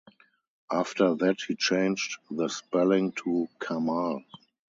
After that he changed the spelling to Kamahl.